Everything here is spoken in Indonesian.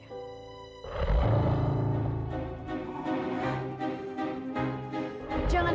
aku harus menemukan batu keempat itu